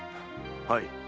はい。